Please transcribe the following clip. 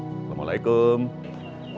alaikum waalaikumsalam bang